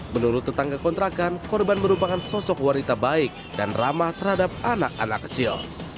menurut tetangga kontrakan korban merupakan sosok wanita baik dan ramah terhadap anak anak kecil